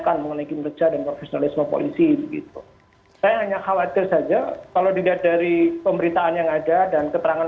untuk kemudian polisi melakukan penyelidikan